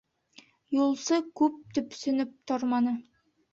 Юлсы күп төпсөнөп торманы: